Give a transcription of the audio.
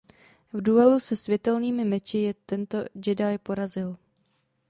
V duelu se světelnými meči je tento Jedi porazil.